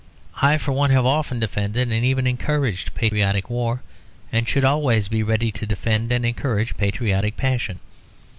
I for one have often defended and even encouraged patriotic war, and should always be ready to defend and encourage patriotic passion.